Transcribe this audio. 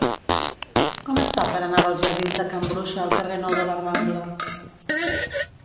Com es fa per anar dels jardins de Can Bruixa al carrer Nou de la Rambla?